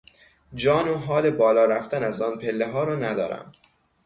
جان و حال بالا رفتن از آن پلهها را ندارم.